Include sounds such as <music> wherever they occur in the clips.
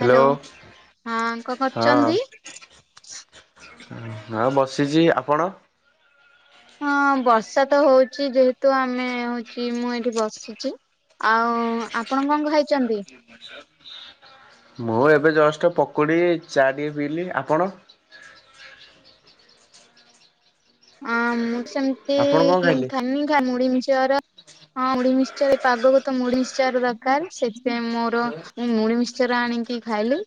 Hello ହଁ କଣ ହଁ କରୁଛନ୍ତି ହଁ ବସିଛି ଆପଣ ହଁ ବର୍ଷା ତ ହଉଛି ଯେହେତୁ ଆମେ ହଉଛି ମୁଁ ଏଠି ବସିଛି ଆଉ ଆପଣ କଣ କ ଖାଇଛନ୍ତି ମୁଁ ଏବେ ଜଷ୍ଟ ପକୁଡ଼ି ଚା ଟିକଏ ପିଇଲି ଆପଣ ହଁ ମୁମ ସମତି ଆପଣ କଣ ଖାଇଲେ ଖ ମୁଡି ମିିଚର ହଁ ମୁଡିମିଶ ପାଗକୁ ତ ମୁଡିମିଶ ର ଦରକାର ସେଥି ସେ ମୋର ମୁ ମୁଣି ମିଶର ଆଣିକି ଖାଇଲି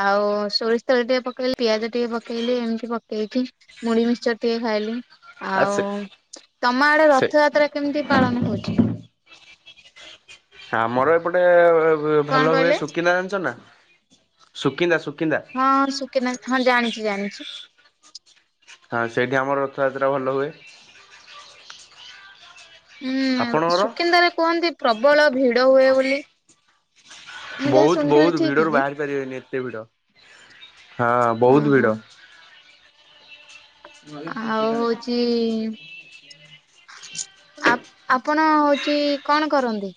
ଆଉ ସୋରିଷ ତେଳ ଟିକେ ପକେଇଲି ପିଆଜ ଟିକେ ପକେଇଲି ଏମିତି ପକେଇଛି ମୁଢ଼ି ମିକ୍ଚର ଟିକେ ଖାଇ ଆ ଆଉ ସେ ତମ ଆଡେ ସେ ରଥଯାତ୍ରା କେମିତି ପାଳନ ହଉଛି? ଆମର ଏପଟେ କଣ ଭଲ ହୁଏ କହିଲେ? ସୁକିନା ଜାଣିଛ ନା? ସୁକିନ୍ଦା ସୁକିନ୍ଦା ଜାଣିଛୁ ହଁ ସେଇଠି ଆମର ରଥଯାତ୍ରା ଭଲ ହୁଏ ହୁଁ ଆପଣଙ୍କର? ସୁକିନ୍ଦାରେ କୁହନ୍ତି ପ୍ରବଳ ଭିଡ ହୁଏ ବୋଲି ମୁଁ ଯାହା ବହୁତ ଶୁଣିଥିଲି ବହୁତ ଠିକ ଭିଡରୁ କି? ବାହାରି ପାରିବେନି ଏତେ ଭିଡ ହଁ ବହୁତ ଓହୋ। ଭିଡ ଭ ଆଉ ଠଠଟା ହଉଛି ଅଛି ଆ ଆପଣ ହଉଛି କଣ କରନ୍ତି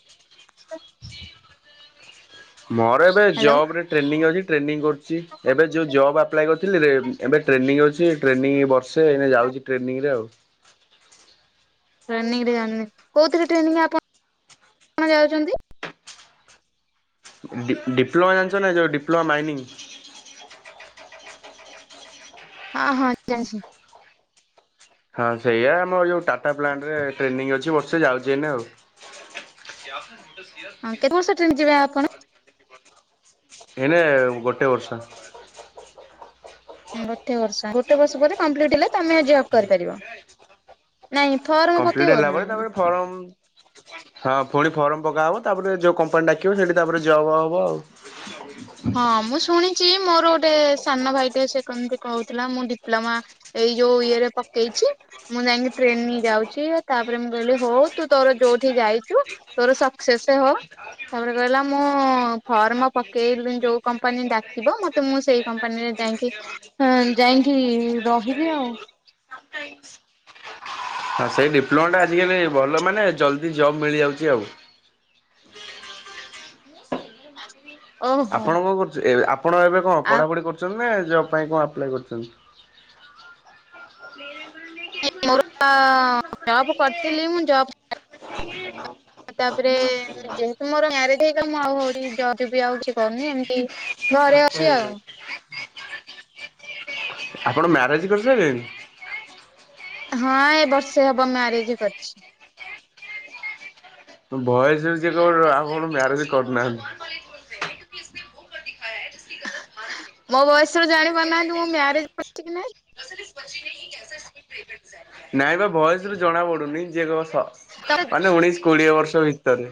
ମୋର ଏବେ ହ୍ୟାଲୋ। ଜବ ରେ ଟ୍ରେନିଂ ଅଛି ଟ୍ରେନିଂ କରୁଛି ଏବେ ଯୋଉ ଜବ୍ ଆପ୍ଲାଏ କରୁ ରେ ଏବେ ଟ୍ରେନିଂ ଅଛି ଟ୍ରେନିଂ ବର୍ଷେ ଯାଉଛି ଟ୍ରେନିଂରେ ଆଉ ଟ୍ରେନିଂରେ ଜାଣିନି କୋଉଥିରେ ଟ୍ରେନିଂ ଆପଣ କଣ ଯାଉଛନ୍ତି ଡିପ୍ଲୋମା ଜାଣିଛ ନା ଯେଉଁ ଡିପ୍ଲୋମା ମାଇନିଂ ହଁ ହଁ ଜାଣିଛି ହଁ ସେଇୟଆା ଆମର ଯୋଉ ଟାଟା ପ୍ଲାଣ୍ଟ ରେ ଟ୍ରେନିଂ ଅଛି ବର୍ଷେ ଯାଉଛି ଏନ ଆଉ <unintelligible> ହଁ କେତେ ବର୍ଷ ଟେନିଙ୍ଗ ଯିବେ ଆପଣ? ଏନେ ଗୋଟେ ବର୍ଷ। ଗୋଟେ ବର୍ଷ ଗୋଟେ ବର୍ଷ ପରେ କମ୍ପିଲ୍ଟ ହେଲେ ତମେ ଜବ୍ କରିପାରିବ। ନାଇଁ ଥରର୍ମ ପକେଇବା ନା କଣ? ଫରମ ହଁ ପୁଣି ଫର୍ମ ପକାହବ ତାପରେ ଯୋଉ କମ୍ପାନୀ ଡାକିବ ସେଠି ତାପରେ ଜବ୍ ହବ ଆଉ। <inaudible> ହଁ ମୁଁ ଶୁଣିଛି ମୋର ଗୋଟେ ସାନ ଭାଇଟେ ସେ କେମିତି କହୁଥିଲା ମୁଁ ଡିପ୍ଲୋମା ଏଇ ଯୋଉ ଇଏରେ ପକେଇଛି ମୁଁ ଯାଇକି ଟ୍ରେନି ଯାଉଛି ତାପରେ ମୁଁ କହିଲି ହଉ ତୁ ତୋର ଯୋଉଠି ଯାଇଛୁ। ତୋର ସକ୍ସେସ ହୋ ତାପରେ କହିଲା ମୁଁ ଫର୍ମ ପକେଇଲି ଯୋଉ କମ୍ପାନୀ ଡାକିବ ମତେ ମୁଁ ସେଇ କମ୍ପାନୀରେ ଯାଇକି ହଁ ଯାଇକି ରହିବି ଆଉ। ହଁ ସେଇ ଡିପ୍ଲୋମାଟା ଆଜିକାଲି ଭଲ ମାନେ ଜଲ୍ଦି ଜବ୍ ମିଳିଯାଉଛି ଆଉ। ଓହୋ ଆପଣ କଣ କରୁଛନ୍ତି ଆପଣ ଏବେ କଣ ଆଉ ପଢ଼ାପଢି କରୁଛନ୍ତି ନା ଜବ୍ ପାଇଁ କଣ ଆପ୍ଲାଏ କରୁଛନ୍ତି? <unintelligible> ମୋରପା ଜବ କରିଥିଲି ମୁଁ ଜବ୍ ତାପରେ ଯେହେତୁ ମୋର ମ୍ୟାରେଜ ହେଇଗଲା ମୁଁ ଆଉ ହଉଛି ଜବ ବି ଆଉ କିଛି କରୁନି ଏମିତି ଘରେ ଅଛି ଆଉ। ଆପଣ ମ୍ୟାରେଜ୍ କରିସାରିଲେଣି। ହଁ ଏ ବର୍ଷେ ହବ ମ୍ୟାରେଜ କରିଛି। ବୟସ ରେ ଯିଏ କହିବ ଆପଣ ମ୍ୟାରେଜ କରି ନାହାନ୍ତି। ମୋ ବୟସରେ ଜାଣି ପାରୁ ନାହାନ୍ତି ମୁଁ ମ୍ୟାରେଜ କରିଛି କି ନାଇଁ ନାଇଁ ବା ଭୟସ ରୁ ଜଣା ପଡୁନି ଯିଏ କହ ତମେ ସ ମାନେ ଉଣେଇଶ କୋଡିଏ ବର୍ଷ ଭିତରେ।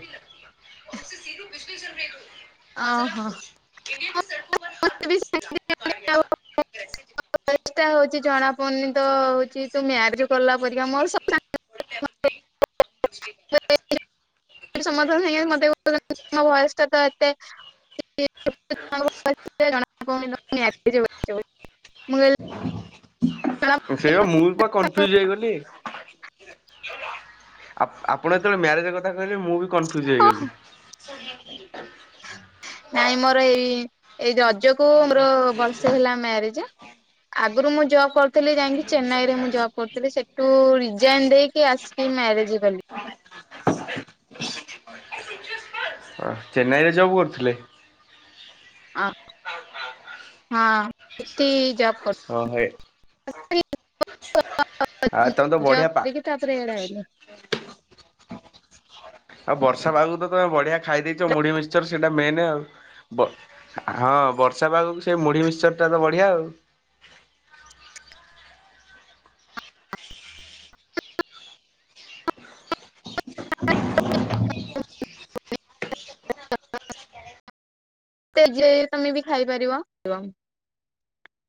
ଓଉେ ସିଧୁ ବିଜଳି ଜନରେଟ ହୋଇତି। ଓହୋ। ହ ରୋ ଲା କାଆ ଚେଷ୍ଟା ହଉଛି ଜଣାପଡୁନି ତ ତୁ ମ୍ୟାରେଜ କଲା ପରିକା ମୋର <unintelligible> <inaudible> <unintelligible> ସମାଧାନ ମତେ ବୟସ ଏତେ <unintelligible> <unintelligible> ସେଇ ମୁଁ ପୁରା କନଫ୍ୟୁଜ ହେଇଗଲି। ଆ ଆପଣ ଯେତେବେଳେ ମ୍ୟାରେଜ କଥା କହିଲେ ମୁଁ ବି କନଫ୍ୟୁଜ୍ ହେଇଗଲି। ସେ ନାଇଁ ମୋର ଏଇ ଏଇ ରଜକୁ ମୋର ବର୍ଷେ ହେଲା ମ୍ୟାରେଜ। ଆଗରୁ ମୁଁ ଜବ୍ କରିଥିଲି ଯାଇକି ଚେନ୍ନାଇ ରେ ମୁଁ ଜବ୍ କରିଥିଲି ସେଠୁ ରିଜାଇନ ଦେଇକି ଆସି କି ମ୍ୟାରେଜ କଲି। ହଁ ଚେନ୍ନାଇରେ ଜବ୍ କରୁଥିଲେ। ଆ ହଁ ଏ <unintelligible> ଶହେ। <unintelligible> ତାପରେ ଆଉ ତମେ ତ ବଢିଆ ପା ଇଆଡ଼େ ଅଇଲା। ଆଉ ବର୍ଷା ପାଗକୁ ତମେ ବଢିଆ ଖାଇ ଦେଇଛ ମୁଢି ମିିକଶର ସେଇଟା ମେନ ଆଉ। ବ ହଁ ବର୍ଷା ପାଗକୁ ସେ ମୁଢ଼ି ମିିକଶସରଟା ତ ବଢ଼ିଆ ଆଉ। <unintelligible> ତେଜ ତମେ ବି ଖାଇପାରିବ। <unintelligible>